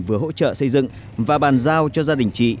vừa hỗ trợ xây dựng và bàn giao cho gia đình chị